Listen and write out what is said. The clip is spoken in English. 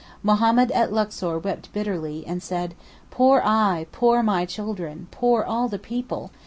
Mahomed at Luxor wept bitterly, and said: "Poor I—poor my children—poor all the people!"